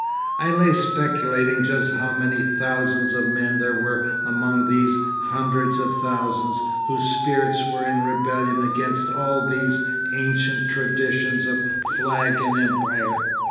'I lay speculating just how many thousands of men there were among these hundreds of thousands, whose spirits were in rebellion against all these ancient traditions of flag and empire.